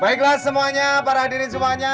baiklah semuanya para hadirin semuanya